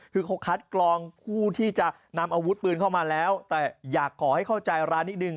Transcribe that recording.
คือเขาคัดกรองผู้ที่จะนำอาวุธปืนเข้ามาแล้วแต่อยากขอให้เข้าใจร้านนิดนึง